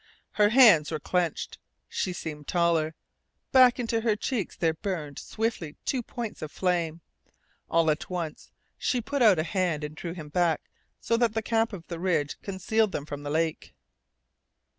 Her hands were clenched. She seemed taller. Back into her cheeks there burned swiftly two points of flame. All at once she put out a hand and drew him back, so that the cap of the ridge concealed them from the lake.